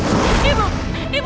aku tidak ingin